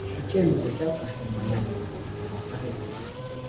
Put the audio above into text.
icyemezo cyafashwe mu nyandiko ku busabe bwe